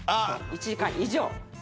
１時間以上！